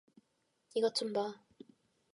이것 좀 봐.